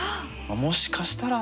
もしかしたら。